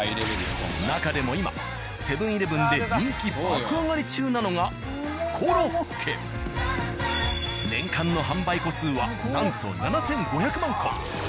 なかでも今セブン−イレブンで人気爆上がり中なのが年間の販売個数はなんと７５００万個。